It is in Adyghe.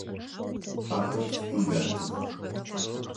Ахэр сутудэнтых.